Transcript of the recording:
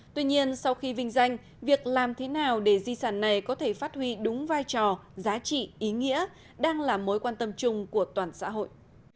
tuy nhiên sau khi vinh danh việc làm thế nào để di sản này có thể phát huy đúng vai trò giá trị ý nghĩa đang là mối quan tâm chung của toàn xã hội